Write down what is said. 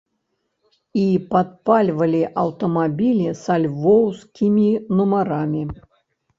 І падпальвалі аўтамабілі са львоўскімі нумарамі.